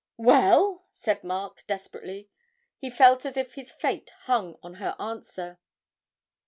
'Well,' said Mark, desperately; he felt as if his fate hung on her answer.